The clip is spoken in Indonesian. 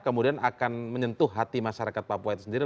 kemudian akan menyentuh hati masyarakat papua itu sendiri